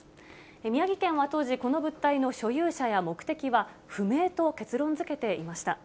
宮城県は当時、この物体の所有者や目的は不明と結論づけていました。